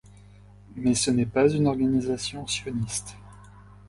Mais ce n'est pas une organisation sioniste.